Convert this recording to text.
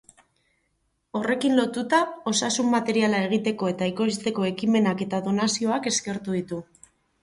Horrekin lotuta, osasun materiala egiteko eta ekoizteko ekimenak eta donazioak eskertu ditu.